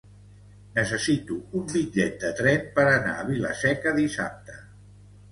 Necessito un bitllet de tren per anar a Vila-seca dissabte.